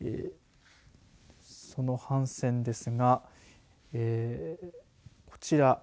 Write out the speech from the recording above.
その帆船ですがこちら。